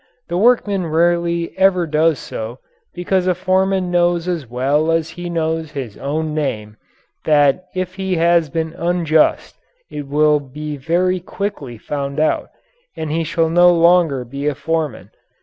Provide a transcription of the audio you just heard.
The workman rarely ever does so, because a foreman knows as well as he knows his own name that if he has been unjust it will be very quickly found out, and he shall no longer be a foreman.